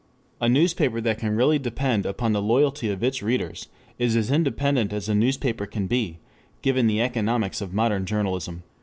A newspaper that can really depend upon the loyalty of its readers is as independent as a newspaper can be, given the economics of modern journalism.